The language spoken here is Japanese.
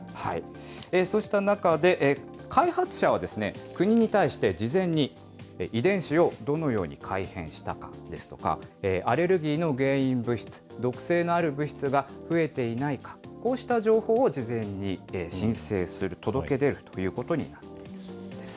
そうした中で、開発者は国に対して、事前に、遺伝子をどのように改変したかですとか、アレルギーの原因物質、毒性のある物質が増えていないか、こうした情報を事前に申請する、届け出るということになっています。